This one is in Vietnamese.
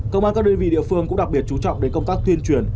công an các đơn vị địa phương cũng đặc biệt chú trọng đến công tác tuyên truyền